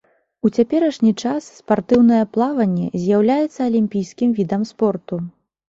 У цяперашні час спартыўнае плаванне з'яўляецца алімпійскім відам спорту.